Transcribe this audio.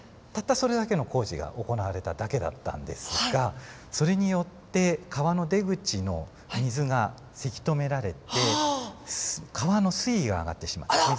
たったそれだけの工事が行われただけだったんですがそれによって川の出口の水がせき止められて川の水位が上がってしまった。